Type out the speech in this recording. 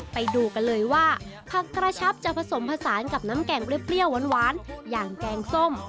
ไปดูกันเลยว่าผักกระชับจะผสมผสานกับน้ำแกงเปรี้ยวหวานอย่างแกงส้ม